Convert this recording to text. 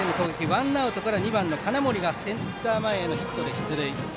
ワンアウトから２番の金森がセンター前ヒットで出塁。